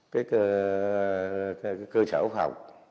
cái cơ sở phòng